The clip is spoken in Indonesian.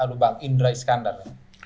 konkretnya pak indra iskandar